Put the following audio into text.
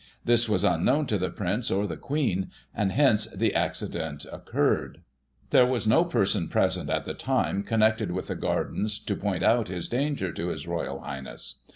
This was unknown to the Prince, or the Queen, and, hence, the accident occurred. There was no person present, at the time, connected with the gardens, to point out his danger to His Royal Highness.